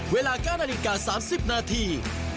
เวลา๙นาฬิกา๓๐นาที